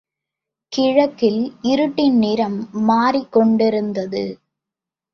கிழக்கில், இருட்டின் நிறம் மாறிக்கொண்டிருந்தது.